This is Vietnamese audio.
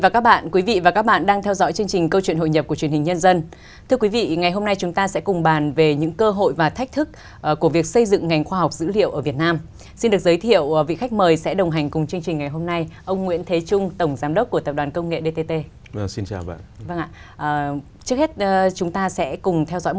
các bạn hãy đăng ký kênh để ủng hộ kênh của chúng mình nhé